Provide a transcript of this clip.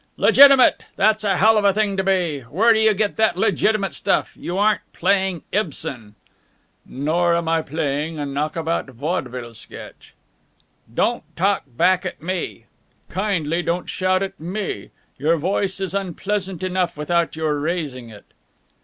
"Legitimate! That's a hell of a thing to be! Where do you get that legitimate stuff? You aren't playing Ibsen!" "Nor am I playing a knockabout vaudeville sketch." "Don't talk back at me!" "Kindly don't shout at me! Your voice is unpleasant enough without your raising it."